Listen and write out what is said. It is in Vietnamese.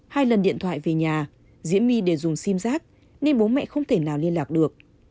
hai lần điện thoại về nhà diễm my để dùng sim giác nên bố mẹ không thể nào liên lạc được